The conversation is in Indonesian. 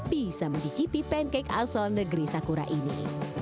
bisa mencicipi pancake asal negeri sakura ini